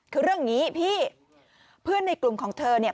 คือเรื่องอย่างนี้พี่